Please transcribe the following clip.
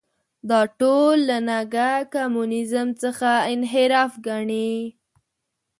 دا ټول له نګه کمونیزم څخه انحراف ګڼي.